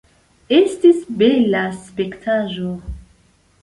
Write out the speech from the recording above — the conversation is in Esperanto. Estis bela spektaĵo.